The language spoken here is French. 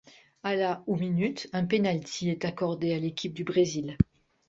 À la ou minute, un penalty est accordé à l'équipe du Brésil.